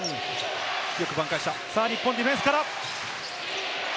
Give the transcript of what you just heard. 日本ディフェンスから。